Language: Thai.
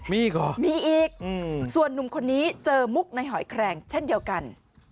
มีอีกเหรอมีอีกส่วนนุ่มคนนี้เจอมุกในหอยแครงเช่นเดียวกัน